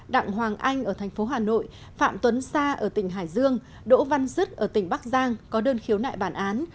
đặng hoàng anh ở thành phố hà nội phạm tuấn sa ở tỉnh hải dương đỗ văn dứt ở tỉnh bắc giang có đơn khiếu nại bản án